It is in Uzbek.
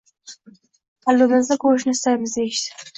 qalbimizni ko‘rishni istaymiz!” – deyishdi.